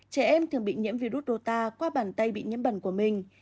trẻ em thường bị nhiễm virus rô ta qua bàn tay bị nhiễm bẩn của mình